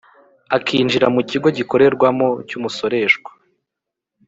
Akinjira mu kigo gikorerwamo cy’umusoreshwa